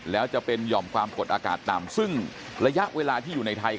แล้วจะเป็นห่อมความกดอากาศต่ำซึ่งระยะเวลาที่อยู่ในไทย